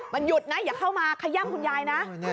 มันหยุดนะอย่าเข้ามาขย่ำคุณยายนะ